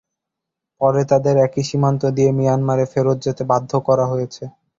পরে তাদের একই সীমান্ত দিয়ে মিয়ানমারে ফেরত যেতে বাধ্য করা হয়েছে।